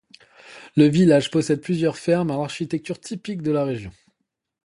Le village possède plusieurs fermes à l'architecture typique de la région.